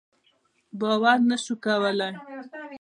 باور نه شو کولای.